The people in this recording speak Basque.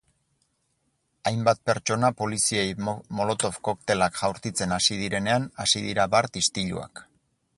Hainbat pertsona poliziei molotov koktelak jaurtitzen hasi direnean hasi dira bart istiluak.